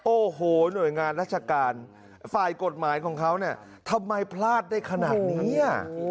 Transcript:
โอ้โหหน่วยงานราชการฝ่ายกฎหมายของเขาเนี่ยทำไมพลาดได้ขนาดนี้